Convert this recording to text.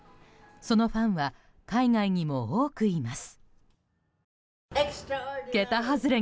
そのファンは海外にも多くいます。